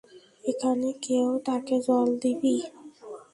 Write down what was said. এখানের কেউ তাকে জল দিবি?